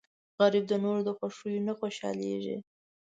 غریب د نورو د خوښۍ نه خوشحالېږي